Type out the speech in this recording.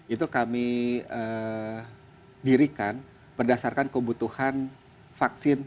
itu kami dirikan berdasarkan kebutuhan vaksin